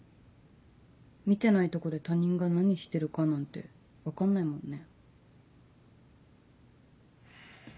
見てないとこで他人が何してるかなんて分かんないもんね。